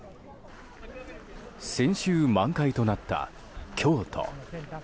先週、満開となった京都。